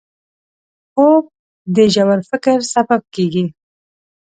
خوب د ژور فکر سبب کېږي